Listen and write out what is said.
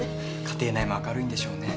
家庭内も明るいんでしょうね。